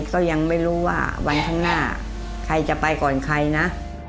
ก็ยังไม่รู้ว่าวันข้างหน้าใครจะไปก่อนใครนะ